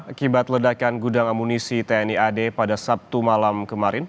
akibat ledakan gudang amunisi tni ad pada sabtu malam kemarin